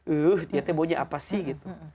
ehh dia tuh maunya apa sih gitu